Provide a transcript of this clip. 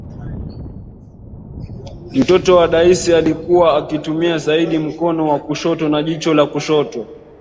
Mtoto wa Daisy alikuwa akitumia zaidi mkono wa kushoto na jicho la kushoto